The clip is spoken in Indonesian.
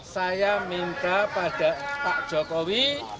saya minta pada pak jokowi